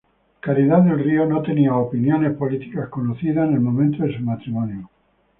Caridad del Río no tenía opiniones políticas conocidas en el momento de su matrimonio.